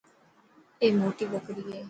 اي موٽي ٻڪري هي.